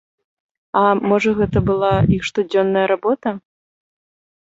А можа, гэта была іх штодзённая работа?